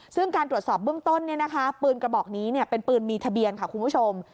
ซึ่งการตรวจสอบเบื้องต้นปืนกระบอกนี้เป็นปืนมีทะเบียนค่ะคุณผู้ชม